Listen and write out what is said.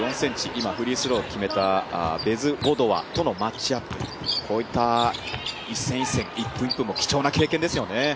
今フリースローを決めたベズゴドワとのマッチアップ、こういった一戦一戦、１分、１分も貴重な経験ですよね。